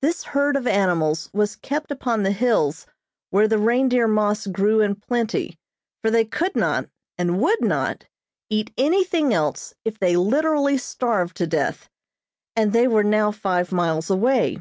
This herd of animals was kept upon the hills where the reindeer moss grew in plenty, for they could not, and would not, eat anything else if they literally starved to death, and they were now five miles away.